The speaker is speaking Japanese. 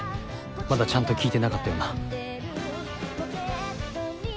まだちゃんと聞いてなかったよな